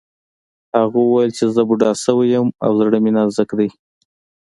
هغه وویل چې زه بوډا شوی یم او زړه مې نازک دی